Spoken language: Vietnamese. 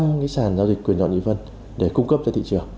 đóng sàn giao dịch quyền dọn dị phân để cung cấp cho thị trường